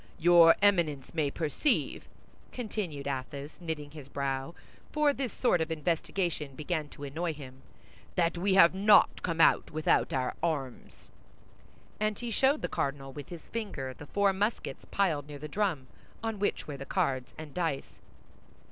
Your Eminence may perceive," continued Athos, knitting his brow, for this sort of investigation began to annoy him, "that we have not come out without our arms." And he showed the cardinal, with his finger, the four muskets piled near the drum, on which were the cards and dice.